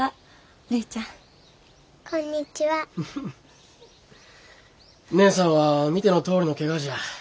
義姉さんは見てのとおりのけがじゃ。